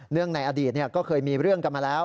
ในอดีตก็เคยมีเรื่องกันมาแล้ว